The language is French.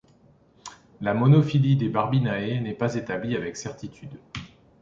La monophylie des Barbinae n'est pas établie avec certitude.